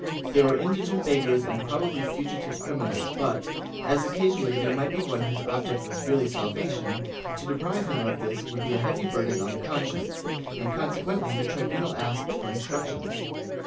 They were indi gent beggars and probably fugitive criminals but, as occasionally there might be one whose object was really salvation, to deprive him of this would be a heavy burden on the conscience, and con sequently the tribunal asked for instructions.